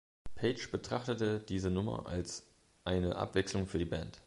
Page betrachtete diese Nummer als „eine Abwechslung für die Band“.